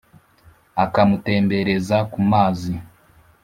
akamutembereza ku mazi,